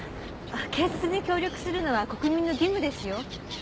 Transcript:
警察に協力するのは国民の義務ですよ。